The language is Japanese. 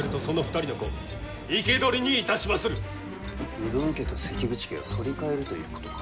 鵜殿家と関口家を取り替えるということか。